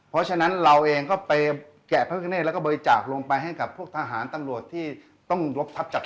เพราะฉะนั้นเราเองก็ไปแกะพระกะเนธแล้วก็บริจาคลงไปให้กับพวกทหารตำรวจที่ต้องลบทับจาก